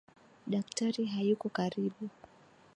Daktari hayuko karibu